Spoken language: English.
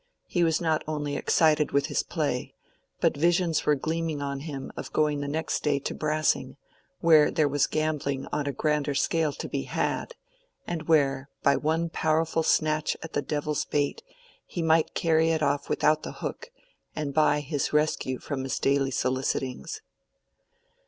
He was not only excited with his play, but visions were gleaming on him of going the next day to Brassing, where there was gambling on a grander scale to be had, and where, by one powerful snatch at the devil's bait, he might carry it off without the hook, and buy his rescue from his daily solicitings.